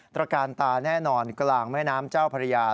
ตรการตาแน่นอนกลางแม่น้ำเจ้าพระยา